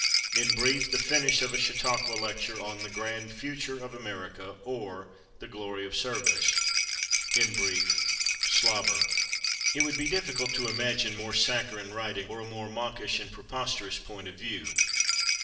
In brief, the finish of a chautauqua lecture on "The Grand Future of America, or, The Glory of Service." In brief, slobber.... It would be difficult to imagine more saccharine writing or a more mawkish and preposterous point of view.